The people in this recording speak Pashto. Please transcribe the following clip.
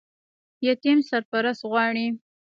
یتیم سرپرست غواړي